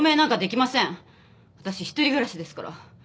私一人暮らしですから。